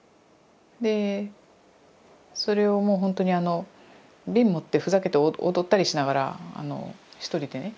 でそれをもうほんとに瓶持ってふざけて踊ったりしながら一人でね。